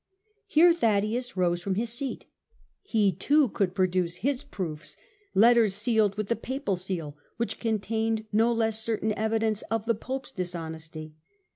Here Thaddaeus rose from his seat. He, too, could pro duce his proofs, letters sealed with thePapal seal which con tained no less certain evidence of the Pope's dishonesty.